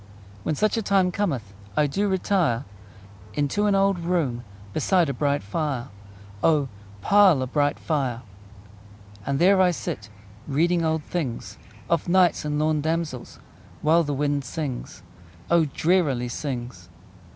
When such a time cometh I do retire Into an old room Beside a bright fire: O, pile a bright fire! And there I sit Reading old things, Of knights and lorn damsels, While the wind sings O, drearily sings!